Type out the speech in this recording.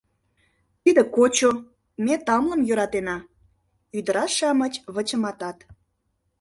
— Тиде — кочо, ме тамлым йӧратена! — ӱдыраш-шамыч вычыматат.